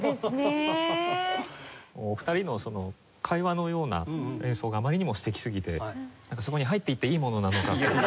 お二人の会話のような演奏があまりにも素敵すぎてなんかそこに入っていっていいものなのかと。